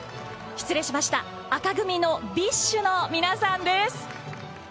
失礼しました、紅組のビッシュの皆さんです。